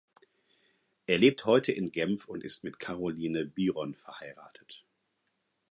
Er lebt heute in Genf und ist mit Caroline Byron verheiratet.